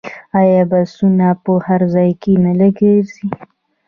آیا بسونه په هر ځای کې نه ګرځي؟